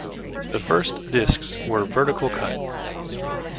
The first discs were vertical cut.